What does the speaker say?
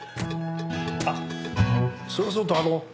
あっそれはそうとあの。